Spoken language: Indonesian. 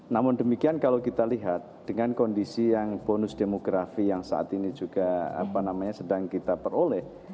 namun demikian kalau kita lihat dengan kondisi yang bonus demografi yang saat ini juga sedang kita peroleh